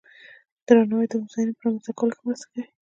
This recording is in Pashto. درناوی د هوساینې په رامنځته کولو کې مرسته کوي.